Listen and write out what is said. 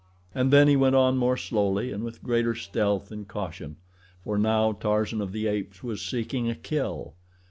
And then he went on more slowly and with greater stealth and caution, for now Tarzan of the Apes was seeking a kill.